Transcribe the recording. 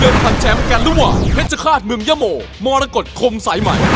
สำคัญแชมป์กันระหว่างเพชรฆาตเมืองยะโมมรกฏคมสายใหม่